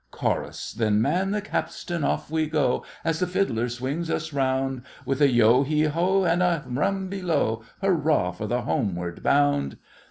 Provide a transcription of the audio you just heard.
CHORUS. Then man the capstan—off we go, As the fiddler swings us round, With a yeo heave ho, And a rum below, Hurrah for the homeward bound!